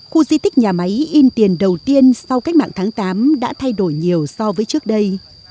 khu di tích nhà máy in tiền đầu tiên sau cách mạng tháng tám đã thay đổi nhiều so với trước đây